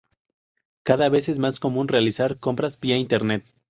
Cada vez es más común realizar compras vía internet.